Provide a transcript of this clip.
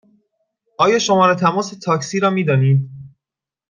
آیا شماره تماس تاکسی را می دانید؟